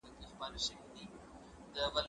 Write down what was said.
زه مخکي پوښتنه کړې وه!؟